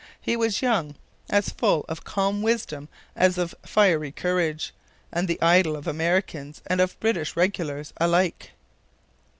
He was young, as full of calm wisdom as of fiery courage, and the idol of Americans and of British regulars alike.